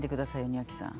庭木さん。